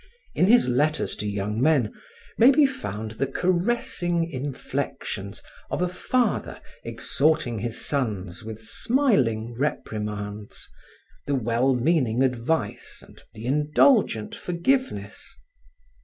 In his letters to young men may be found the caressing inflections of a father exhorting his sons with smiling reprimands, the well meaning advice and the indulgent forgiveness.